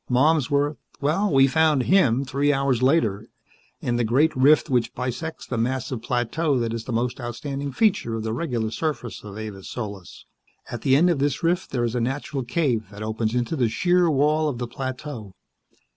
Malmsworth well, we found him three hours later in the great rift which bisects the massive plateau that is the most outstanding feature of the regular surface of Avis Solis. At the end of this rift there is a natural cave that opens into the sheer wall of the plateau.